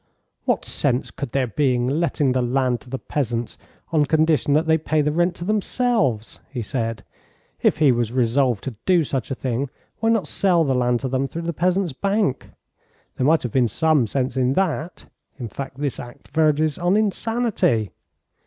"What sense could there be in letting the land to the peasants, on condition that they pay the rent to themselves?" he said. "If he was resolved to do such a thing, why not sell the land to them through the Peasants' Bank? There might have been some sense in that. In fact, this act verges on insanity."